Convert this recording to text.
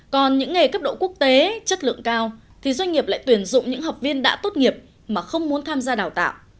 còn những nghề cấp độ quốc tế chất lượng cao thì doanh nghiệp lại tuyển dụng những học viên đã tốt nghiệp mà không muốn tham gia đào tạo